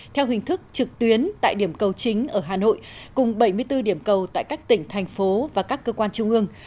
theo hình thức trực tuyến tại điểm cầu chính ở hà nội cùng bảy mươi bốn điểm cầu tại các tỉnh thành phố và các cơ quan trung ương